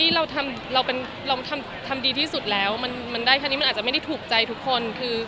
เราทำดีที่สุดแล้วมันได้แค่นี้มันอาจจะไม่ได้ถูกใจทุกคน